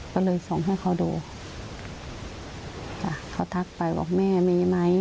ก็เลยส่งให้เขาดูจ้ะเขาทักไปบอกแม่มีไหม